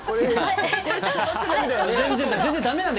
全然、だめなんだ。